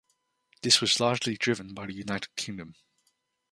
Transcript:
This was largely driven by the United Kingdom.